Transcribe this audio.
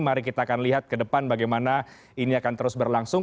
mari kita akan lihat ke depan bagaimana ini akan terus berlangsung